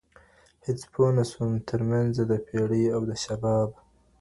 هیڅ پوه نه سوم تر منځه د پېرۍ او د شباب